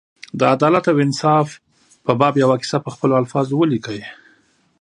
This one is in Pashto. د عدالت او انصاف په باب یوه کیسه په خپلو الفاظو ولیکي.